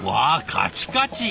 カチカチ。